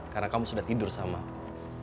karena kamu sudah tidur sama aku